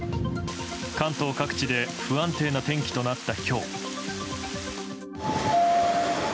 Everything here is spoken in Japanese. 関東各地で不安定な天気となった今日。